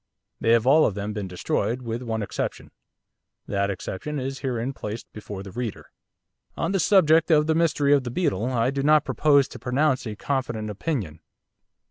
They have all of them been destroyed, with one exception. That exception is herein placed before the reader. On the subject of the Mystery of the Beetle I do not propose to pronounce a confident opinion.